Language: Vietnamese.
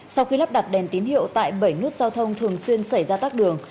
sau khi lắp đặt đèn tín hiệu tại bảy nút giao thông thường xuyên xảy ra tắc đường